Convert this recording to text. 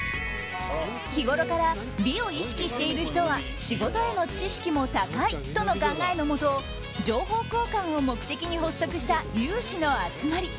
日ごろから美を意識している人は仕事への知識も高いとの考えのもと情報交換を目的に発足した有志の集まり。